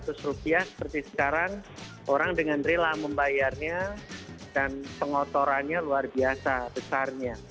tapi sekarang orang dengan rela membayarnya dan pengotorannya luar biasa besarnya